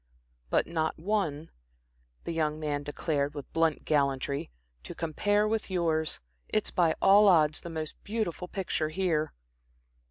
"But not one," the young man declared, with blunt gallantry "to compare with yours. It's by all odds the most beautiful picture here."